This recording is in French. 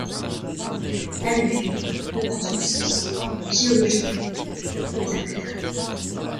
Alluvion ne prend son sens géologique que bien plus tard.